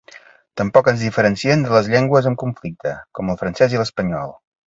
Tampoc ens diferencien de les llengües amb conflicte, com el francès i l’espanyol.